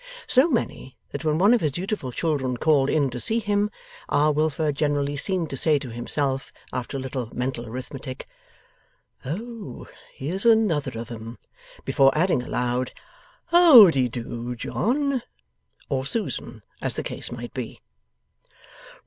So many, that when one of his dutiful children called in to see him, R. Wilfer generally seemed to say to himself, after a little mental arithmetic, 'Oh! here's another of 'em!' before adding aloud, 'How de do, John,' or Susan, as the case might be.